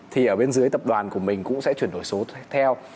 thì ở bên dưới tập đoàn của mình cũng sẽ chuyển đổi số theo